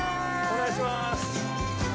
お願いします。